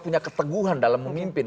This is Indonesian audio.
punya keteguhan dalam memimpin